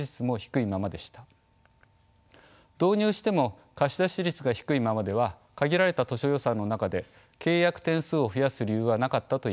導入しても貸し出し率が低いままでは限られた図書予算の中で契約点数を増やす理由はなかったといえます。